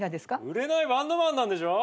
売れないバンドマンなんでしょ？